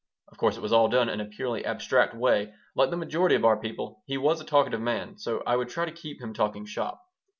Of course, it was all done in a purely abstract way. Like the majority of our people, he was a talkative man so I would try to keep him talking shop.